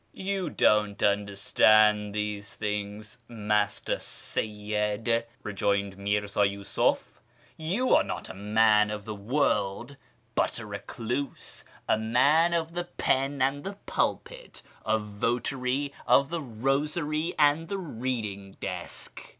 " You don't understand these things, Master Seyyid," rejoined Mirza Yiisuf ;" you are not a man of the world, but a recluse, a man of the pen and the pulpit, a votary of the rosary and the reading desk."